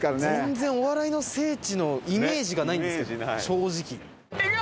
全然お笑いの聖地のイメージがないんですけど正直。